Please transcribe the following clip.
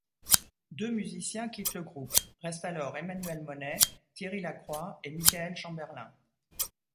Deux musiciens quittent le groupe, reste alors Emmanuelle Monet, Thierry Lacroix et Michaël Chamberlin.